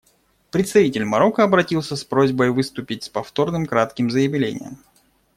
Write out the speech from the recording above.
Представитель Марокко обратился с просьбой выступить с повторным кратким заявлением.